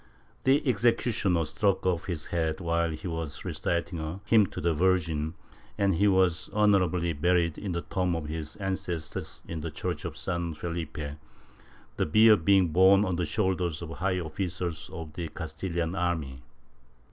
The executioner struck off his head while he was reciting a hymn to the Virgin and he was honorably buried, in the tomb of his ancestors in the church of San Felipe, the bier being borne on the shoulders of high officers of the Castilian army.